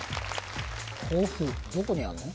どこにあるの？